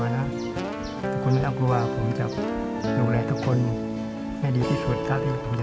ได้ความรักจากเธอ